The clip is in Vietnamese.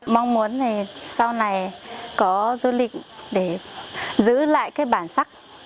mong muốn sau này có du lịch để giữ lại cái bản sắc dân tộc văn hóa của mình